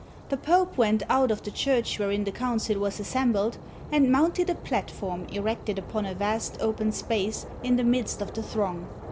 The Pope went out of the church wherein the council was assembled, and mounted a platform erected upon a vast open space in the midst of the throng.